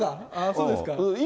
そうですか。